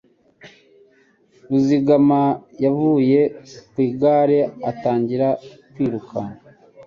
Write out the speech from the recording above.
Ruzigama yavuye ku igare atangira kwiruka